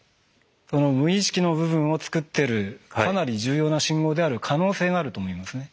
その無意識の部分をつくってるかなり重要な信号である可能性があると思いますね。